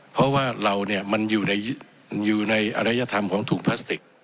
เพราะว่าเราเนี่ยมันอยู่ในอรยธรรมของถุงพลาสติก